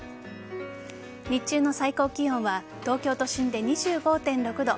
日中の最高気温は東京都心で２５．６度